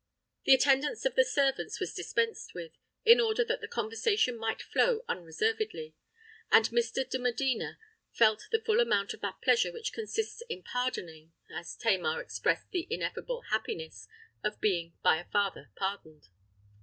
The attendance of the servants was dispensed with, in order that the conversation might flow unreservedly; and Mr. de Medina felt the full amount of that pleasure which consists in pardoning, as Tamar experienced the ineffable happiness of being by a father pardoned.